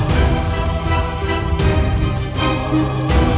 biar aku berdaya saja paman